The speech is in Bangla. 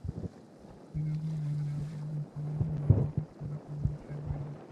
বেনাপোল বন্দরের অভ্যন্তরে পণ্য ওঠানো-নামানোর কাজ চললেও পণ্য নিয়ে ট্রাক বাইরে যেতে পারেনি।